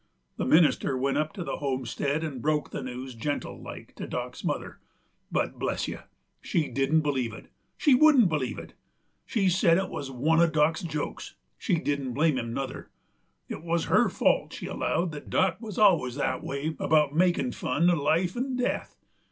The minister went up to the homestead 'nd broke the news gentle like to Dock's mother; but, bless you! she didn't believe it she wouldn't believe it. She said it wuz one uv Dock's jokes; she didn't blame him, nuther it wuz her fault, she allowed, that Dock wuz allus that way about makin' fun uv life 'nd death.